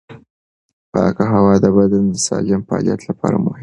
پاکه هوا د بدن د سالم فعالیت لپاره مهمه ده.